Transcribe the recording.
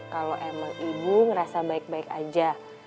kalau emang ibu ngerasa baik baik aja